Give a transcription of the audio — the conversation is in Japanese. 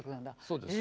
そうです。